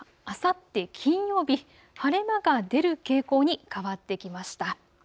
あさって金曜日、晴れ間が出る傾向に変わってきました。